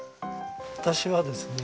私はですね